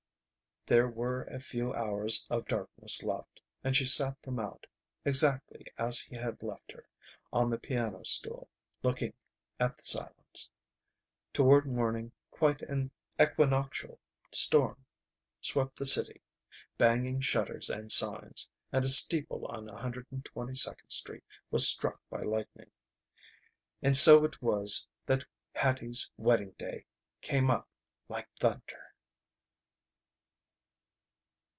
There were a few hours of darkness left, and she sat them out, exactly as he had left her, on the piano stool, looking at the silence. Toward morning quite an equinoctial storm swept the city, banging shutters and signs, and a steeple on 122d Street was struck by lightning. And so it was that Hattie's wedding day came up like thunder.